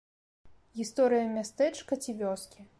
Гісторыя мястэчка ці вёскі.